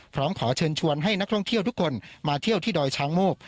พร้อมขอเชิญชวนให้นักท่องเที่ยวทุกคนมาเที่ยวที่ดอยช้างโมก